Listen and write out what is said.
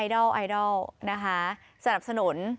ไอดัลนะคะสนับสนุน